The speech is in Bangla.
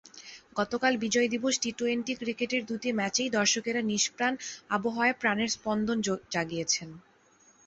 গতকাল বিজয় দিবস টি-টোয়েন্টি ক্রিকেটের দুটি ম্যাচেই দর্শকেরা নিষপ্রাণ আবহাওয়ায় প্রাণের স্পন্দন জাগিয়েছেন।